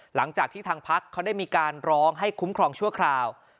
หลังจากที่ทางพักเขาได้มีการร้องให้คุ้มครองชั่วคราว